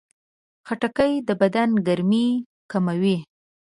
خټکی د بدن ګرمي کموي.